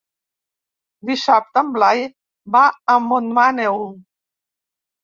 Dissabte en Blai va a Montmaneu.